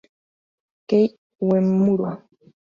Kei Uemura